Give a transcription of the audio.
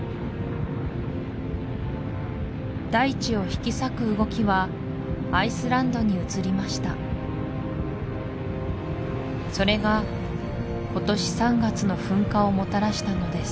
大地を引き裂く動きはアイスランドに移りましたそれが今年３月の噴火をもたらしたのです